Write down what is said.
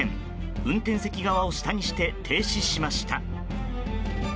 運転席側を下にして停止しました。